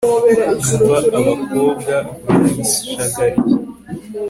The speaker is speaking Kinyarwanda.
imva abakobwa barayishagariye